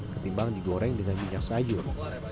ketimbang digoreng dengan minyak sayur